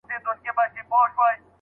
آیا انلاین سودا تر بازار سودا اسانه ده؟